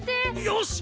よし！